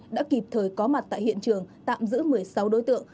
đã kịp thời có mặt tại hiện trường tạm giữ một mươi sáu đối tượng